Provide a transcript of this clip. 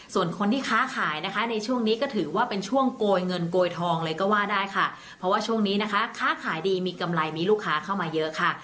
ส่วนคนที่ค้าขายนะคะในช่วงนี้ก็ถือว่าเป็นช่วงโกยเงินโกยทองเลยก็ว่าได้ค่ะเพราะว่าช่วงนี้นะคะค้าขายดีมีกำไรมีลูกค้าเข้ามาเยอะค่ะ